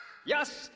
よし！